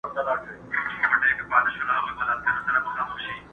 شاهدان كه د چا ډېر وه د ظلمونو؛